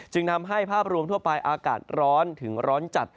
จึงทำให้ภาพรวมทั่วไปอากาศร้อนถึงร้อนจัด